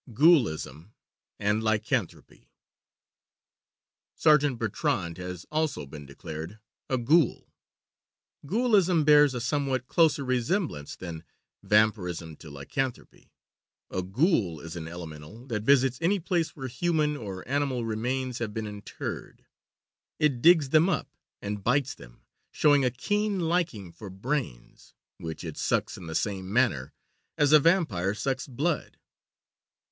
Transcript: GHOULISM AND LYCANTHROPY Sergeant Bertrand has also been declared a ghoul. Ghoulism bears a somewhat closer resemblance than vampirism to lycanthropy. A ghoul is an Elemental that visits any place where human or animal remains have been interred. It digs them up and bites them, showing a keen liking for brains, which it sucks in the same manner as a vampire sucks blood.